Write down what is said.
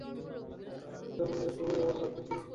এখন এই বাচ্চা জন্ম নিলে তুই এর দেখাশুনা করবি।